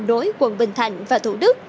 đối quận bình thạnh và thủ đức